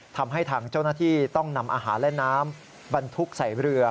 ทำให้ทางเจ้าหน้าที่ต้องนำอาหารและน้ำบรรทุกใส่เรือ